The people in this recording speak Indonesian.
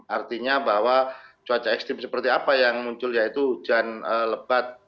artinya bahwa cuaca ekstrim seperti apa yang muncul yaitu hujan lebat